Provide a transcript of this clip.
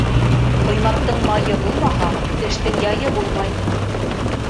Ҡоймаҡтың майы булмаһа, эштең яйы булмай.